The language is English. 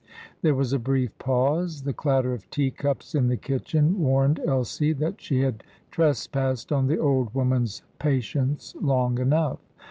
There was a brief pause. The clatter of teacups in the kitchen warned Elsie that she had trespassed on the old woman's patience long enough.